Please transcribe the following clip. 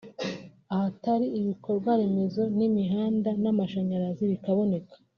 ahatari ibikorwaremezo nk’imihanda n’amashanyarazi bikaboneka